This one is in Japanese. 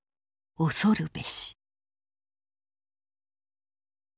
恐るべし」。